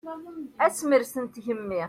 Asemres n tgemmi.